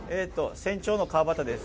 船長の川畑です。